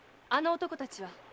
あの男たちは。